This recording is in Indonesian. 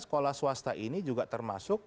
sekolah swasta ini juga termasuk